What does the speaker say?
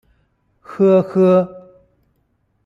呵呵！